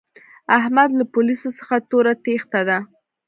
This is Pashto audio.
احمد له پوليسو څخه توره تېښته ده.